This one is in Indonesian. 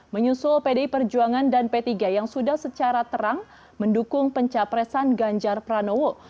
menyusul pdi perjuangan dan p tiga yang sudah secara terang mendukung pencapresan ganjar pranowo